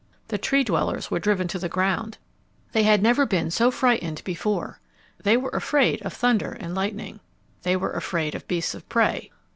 The Tree dwellers were driven to the ground. They had never been so frightened before. They were afraid of thunder and lightning. They were afraid of beasts of prey.